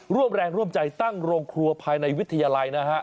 ร่วมแรงร่วมใจตั้งโรงครัวภายในวิทยาลัยนะฮะ